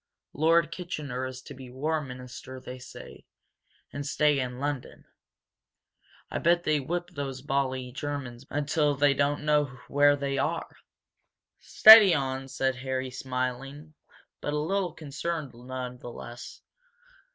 Lord Kitchener is to be War Minister, they say, and stay in London. I bet they whip those bally Germans until they don't know where they are " "Steady on!" said Harry, smiling, but a little concerned, none the less.